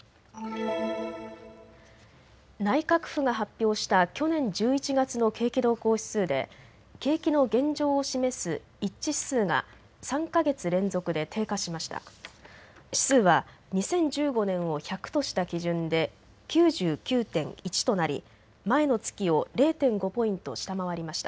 内閣府が発表した去年１１月の景気動向指数で景気の現状を示す一致指数が３か月連続で低下しました。